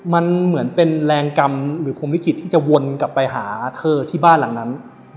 มันเหมือนเป็นแรงกรรมหรือคมลิขิตที่จะวนกลับไปหาเธอที่บ้านหลังนั้น